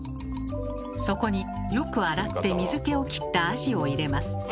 そこによく洗って水けを切ったアジを入れます。